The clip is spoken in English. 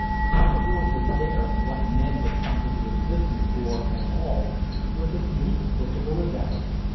Why the world was there and what men had come into existence for at all was as inexplicable as ever.